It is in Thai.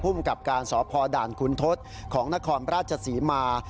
ผู้มีกับการสอบพอด่านคุณทศของนครราชศรีมา